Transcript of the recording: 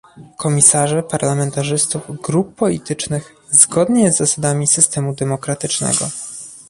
komisarzy, parlamentarzystów, grup politycznych, zgodnie z zasadami systemu demokratycznego